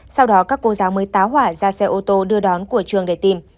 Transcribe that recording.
sau đó các cô giáo mới táo hỏa ra xe ô tô đưa đón của trường để tìm